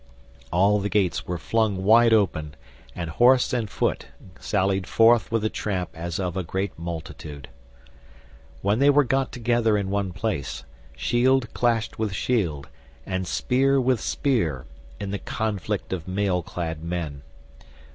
All the gates were flung wide open, and horse and foot sallied forth with the tramp as of a great multitude. When they were got together in one place, shield clashed with shield, and spear with spear, in the conflict of mail clad men.